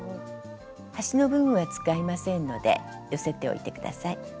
端の部分は使いませんので寄せておいて下さい。